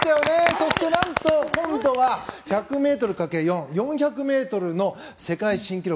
そして何と、今度は１００ｍかける４４００ｍの世界新記録